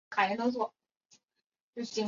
直茎鼠曲草为菊科鼠曲草属下的一个种。